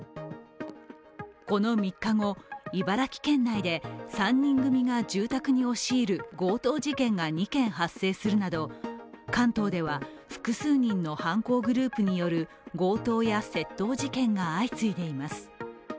この３日後、茨城県内で３人組が住宅に押し入る強盗事件が２件発生するなど関東では、複数人の犯行グループによる強盗や窃盗事件が相次いでいます。